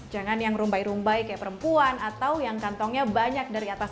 jangan yang rumbai rumbai seperti perempuan atau yang kantongnya banyak dari atas api bawah